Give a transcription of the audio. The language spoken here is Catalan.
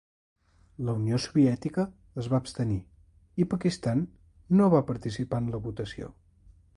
La Unió Soviètica es va abstenir i Pakistan no va participar en la votació.